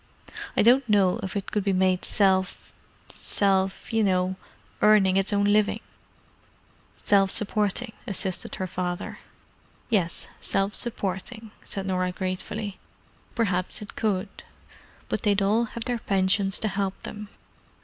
I don't know if it could be made self—self—you know—earning its own living——" "Self supporting," assisted her father. "Yes, self supporting," said Norah gratefully. "Perhaps it could. But they'd all have their pensions to help them."